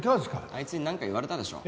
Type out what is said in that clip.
あいつになんか言われたでしょ？